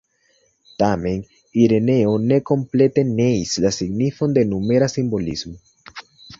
Tamen Ireneo ne komplete neis la signifon de numera simbolismo.